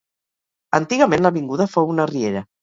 Antigament l'avinguda fou una riera.